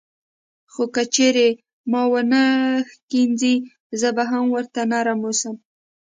خو که چیرې ما ونه ښکنځي زه به هم ورته نرم اوسم.